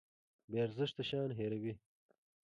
بې ارزښته شیان هیروي.